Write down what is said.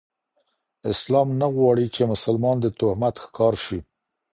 اسلام نه غواړي، چي مسلمان د تهمت ښکار سي؛